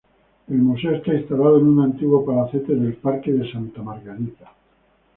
El museo está instalado en un antiguo Palacete del Parque de Santa Margarita.